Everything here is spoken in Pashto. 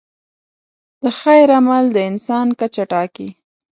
د خیر عمل د انسان کچه ټاکي.